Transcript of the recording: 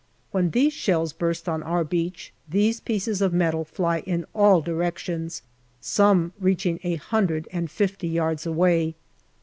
When these shells burst on our beach, these pieces of metal fly in all directions, some reaching a hundred and fifty yards away.